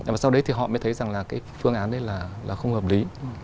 và sau đấy thì họ mới thấy rằng là cái phương án đấy là không hợp lý